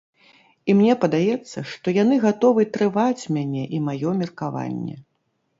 І мне падаецца, што яны гатовы трываць мяне і маё меркаванне.